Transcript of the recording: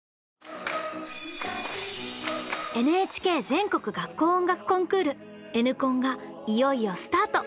ＮＨＫ全国学校音楽コンクール「Ｎコン」がいよいよスタート！